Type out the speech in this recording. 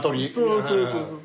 そうそうそうそう。